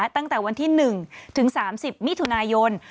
ตั้งแต่วันที่๑ถึง๓๐มิถุนายน